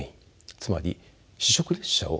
つまり試食列車を企画